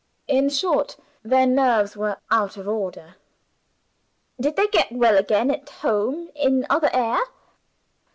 In short, their nerves were out of order." "Did they get well again at home, in another air?"